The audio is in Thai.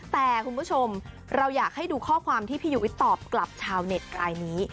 แต่คุณผู้ชมเราอยากให้ดูข้อความที่พี่ยุ้ยตอบกลับชาวเน็ตรายนี้